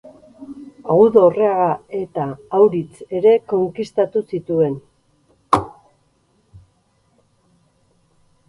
Agudo Orreaga eta Auritz ere konkistatu zituen.